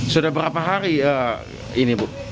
sudah berapa hari ini bu